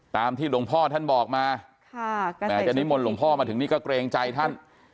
ตามที่หลวงพ่อท่านบอกมาแม้จะนิมนต์หลวงพ่อมาถึงนี่ก็เกรงใจท่าน